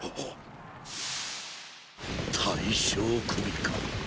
大将首か。